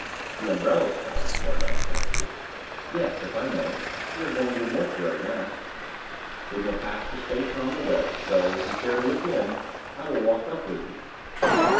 "The umbrella spike," Thorndyke corrected. "Yes, if I may. We are going to the mortuary now." "Then you'll pass the station on the way; so, if you care to look in, I will walk up with you."